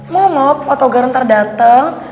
mau mau poto gara ntar dateng